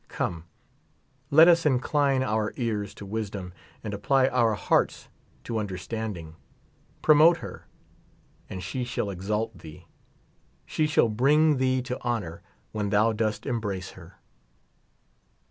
Come, let us incline our ears to wisdom, and apply our hearts to understanding ; promote her, and she shall exalt thee ; she shall bring thee to honor when thou dost embrace her.